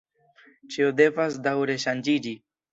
Ĉio devas daŭre ŝanĝiĝi.